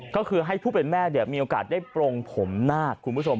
ก็คือให้ผู้เป็นแม่มีโอกาสได้ปรงผมนาคคุณผู้ชม